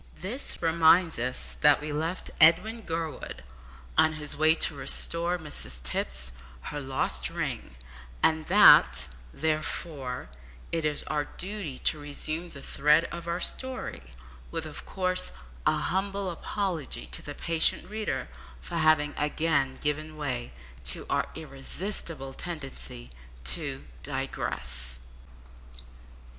This reminds us that we left Edwin Gurwood on his way to restore Mrs Tipps her lost ring, and that, therefore, it is our duty to resume the thread of our story, with, of course, a humble apology to the patient reader for having again given way to our irresistible tendency to digress!